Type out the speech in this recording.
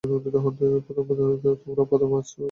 তোমার আজ প্রথম দিন কলেজের?